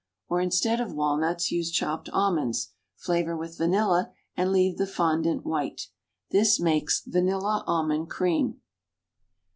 Or, instead of walnuts, use chopped almonds, flavor with vanilla, and leave the fondant white. This makes VANILLA ALMOND CREAM.